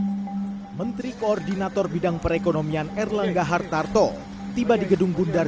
hai menteri koordinator bidang perekonomian erlangga hartarto tiba di gedung bundar